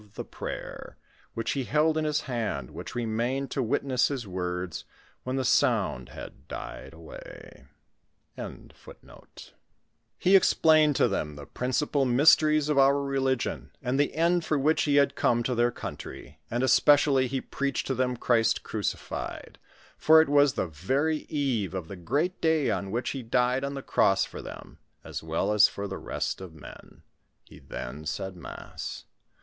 The father spoke to all this gathering, and addressed them ten words by ten presents which he made them ;* he ex plained to them the principal mysteries of our religion, and the end for which he had come to their country ; and es pecially he preached to them Christ crucified, for it was the very eve of the great day on which he died on the cross for them, as well as for the rest of men. He then said mass.